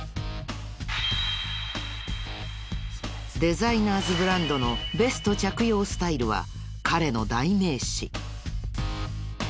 デザイナーズブランドのベスト着用スタイルは彼の代名詞。